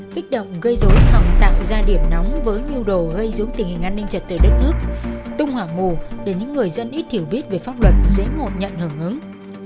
kích động gây dối hỏng tạo ra điểm nóng với nhiêu đồ hơi dưới tình hình an ninh trật từ đất nước tung hỏa mù để những người dân ít hiểu biết về pháp luật dễ ngột nhận hưởng ứng